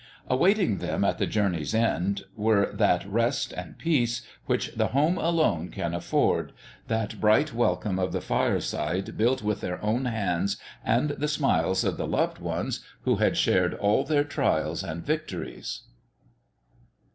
Awaiting them at the journey's end were that rest and peace which the home alone can afford, that bright welcome of the fireside built with their own hands, and the smiles of the loved ones who had shared all their trials and victories.